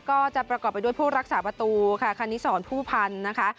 ก็จะประกอบไปด้วยผู้รักษาประตูค่ะคณิสรผู้พันธ์นะคะ